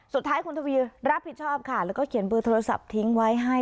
สุดท้ายคุณทวีรับผิดชอบค่ะแล้วก็เขียนเบอร์โทรศัพท์ทิ้งไว้ให้